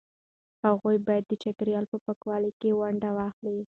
هغوی باید د چاپیریال په پاکوالي کې ونډه واخلي.